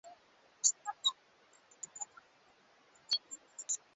Tutahesabu maneno yote